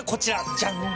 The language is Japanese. ジャン！